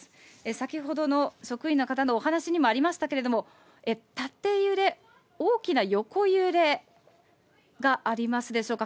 先ほどの職員の方のお話にもありましたけれども、縦揺れ、大きな横揺れがありますでしょうか。